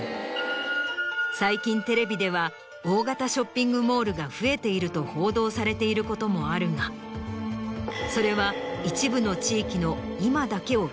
最近テレビでは大型ショッピングモールが増えていると報道されていることもあるがそれは。